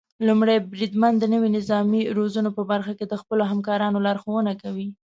لومړی بریدمن د نويو نظامي روزنو په برخه کې د خپلو همکارانو لارښونه کوي.